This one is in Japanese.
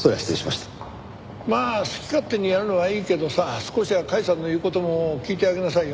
まあ好き勝手にやるのはいいけどさ少しは甲斐さんの言う事も聞いてあげなさいよ。